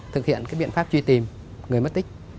thực hiện biện pháp truy tìm người mất tích